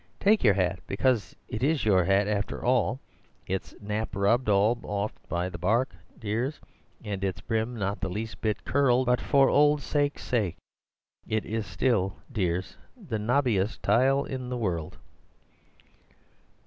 Take your hat, because it is your hat after all; its nap rubbed all off by the bark, dears, and its brim not the least bit curled; but for old sakes' sake it is still, dears, the nobbiest tile in the world."